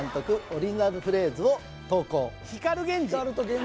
オリジナルフレーズを投稿